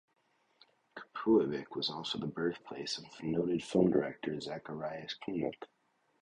Kapuivik was also the birthplace of noted film director Zacharias Kunuk.